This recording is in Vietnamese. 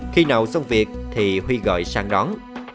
khi nào xong việc thì huy gọi sang đón